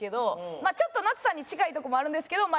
まあちょっとなつさんに近いとこもあるんですけどま